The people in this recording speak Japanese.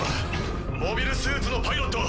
モビルスーツのパイロット